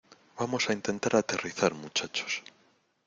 vamos a intentar aterrizar, muchachos.